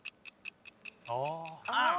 ああ。